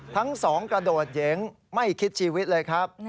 ทั้งสองกระโดดเย้งไม่คิดชีวิตเลยครับ